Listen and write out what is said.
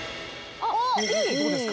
どうですか？